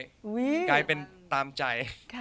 ทางนี้ก็มันกลายเป็นตามใจ